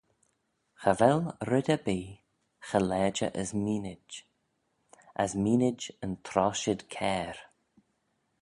Cha vel red erbee cha lajer as meenid, as meenid yn troshid cair.